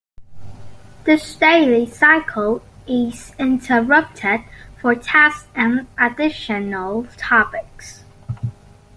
This daily cycle is interrupted for tests and additional topics.